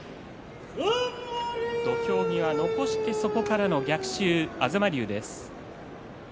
土俵際、残してそこからの逆襲東龍です。